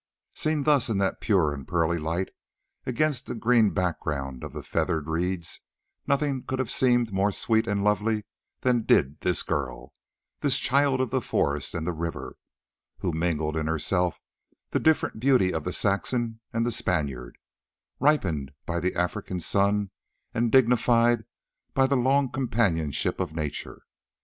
Seen thus in that pure and pearly light against the green background of the feathered reeds, nothing could have seemed more sweet and lovely than did this girl, this child of the forest and the river, who mingled in herself the different beauty of the Saxon and the Spaniard, ripened by the African sun and dignified by the long companionship of Nature.